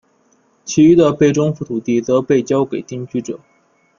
其余的被征服土地则被交给定居者。